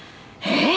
えっ！